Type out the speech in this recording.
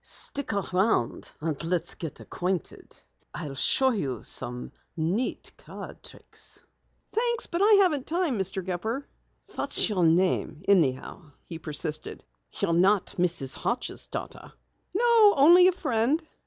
"Stick around and let's get acquainted. I'll show you some neat card tricks." "Thanks, but I haven't time, Mr. Gepper." "What's your name anyhow?" he persisted. "You're not Mrs. Hodges' daughter." "No, only a friend."